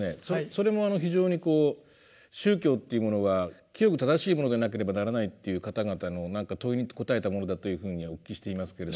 それも非常にこう宗教というものが清く正しいものでなければならないという方々の問いに答えたものだというふうにお聞きしていますけれども。